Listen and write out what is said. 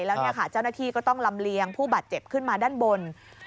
แล้วเจ้าหน้าที่ก็ต้องลำเลียงผู้บาดเจ็บขึ้นมาด้านบน